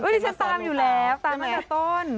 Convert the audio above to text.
ดิฉันตามอยู่แล้วตามตั้งแต่ต้น